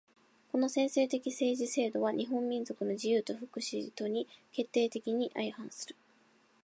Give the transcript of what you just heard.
この専制的政治制度は日本民族の自由と福祉とに決定的に相反する。